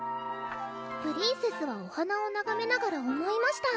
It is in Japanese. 「プリンセスはお花を眺めながら思いました」